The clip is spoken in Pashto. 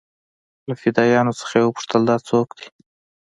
له فدايانو څخه يې وپوښتل دا سوک دې.